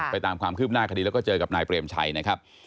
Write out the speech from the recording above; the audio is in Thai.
ตามความคืบหน้าคดีแล้วก็เจอกับนายเปรมชัยนะครับ